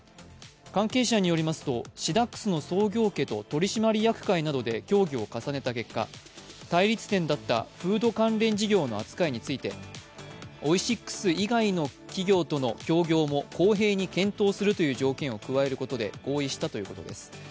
関係者によりますと、シダックスの創業家と取締役会などで協議を重ねた結果対立点だったフード関連事業の扱いについてオイシックス以外の企業との協業とも公平に検討するという条件を加えることで合意したということです。